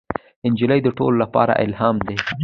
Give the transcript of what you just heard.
نجلۍ د ټولو لپاره الهام ده.